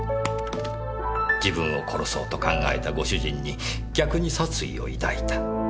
自分を殺そうと考えたご主人に逆に殺意を抱いた。